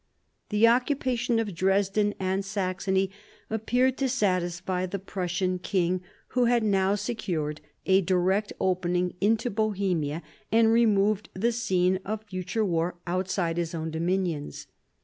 The occupation of Dresden and Saxony appeared to satisfy the Prussian king, who had now secured a direct opening into Bohemia and removed the scene of future war outside his own dominions.